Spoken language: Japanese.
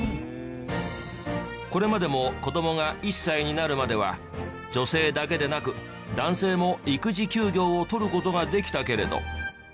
これまでも子どもが１歳になるまでは女性だけでなく男性も育児休業を取る事ができたけれど。